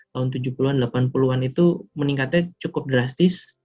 tahun tujuh puluh an delapan puluh an itu meningkatnya cukup drastis